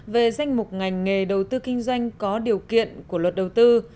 về danh mục ngành nghề đầu tư kinh doanh có điều kiện của luật đầu tư